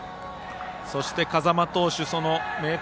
そして、風間投手明徳